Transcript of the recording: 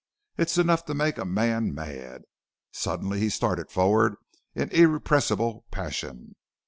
It is enough to make a man mad.' Suddenly he started forward in irrepressible passion.